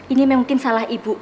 ini mungkin salah ibu